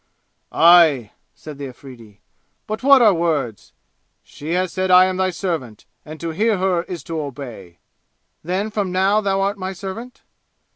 "Aye!" said the Afridi. "But what are words? She has said I am thy servant, and to hear her is to obey!" "Then from now thou art my servant?"